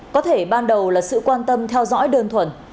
có thể ban đầu là sự quan tâm theo dõi đơn thuần